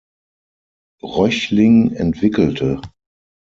Röchling" entwickelte.